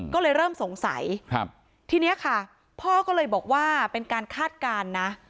ก็เลยเริ่มสงสัยทีนี้ค่ะพ่อก็เลยบอกว่าเป็นการคาดการณ์นะ